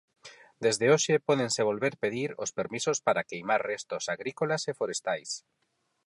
Desde hoxe pódense volver pedir os permisos para queimar restos agrícolas e forestais.